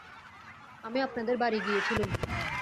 আমি আপনাদের বাড়ি গিয়েছিলুম।